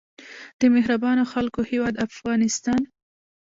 د مهربانو خلکو هیواد افغانستان.